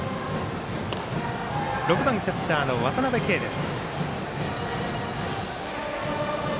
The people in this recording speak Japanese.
６番キャッチャーの渡辺憩です。